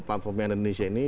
platformnya indonesia ini